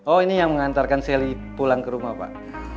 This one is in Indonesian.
oh ini yang mengantarkan sally pulang ke rumah pak